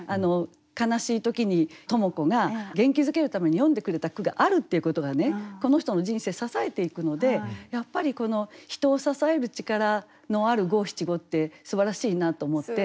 悲しい時に知子が元気づけるために詠んでくれた句があるっていうことがこの人の人生支えていくのでやっぱりこの人を支える力のある五七五ってすばらしいなと思って。